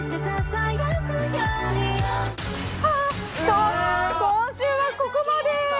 と、今週はここまで。